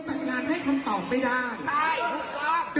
ควรตัดงานให้คำตอบไม่ได้ใช่